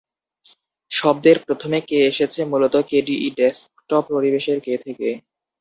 শব্দের প্রথমে 'কে' এসেছে মূলত কেডিই ডেস্কটপ পরিবেশের 'কে' থেকে।